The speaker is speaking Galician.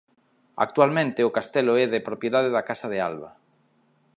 Actualmente o castelo é de propiedade da Casa de Alba.